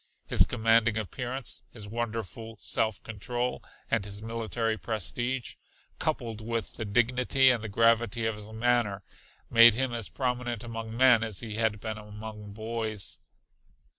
His commanding appearance, his wonderful self control and his military prestige, coupled with the dignity and gravity of his manner, made him as prominent among men as he had been among boys.